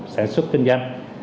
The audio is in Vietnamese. sản xuất kinh doanh